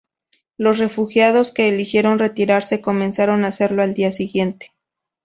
Los refugiados que eligieron retirarse comenzaron a hacerlo al día siguiente.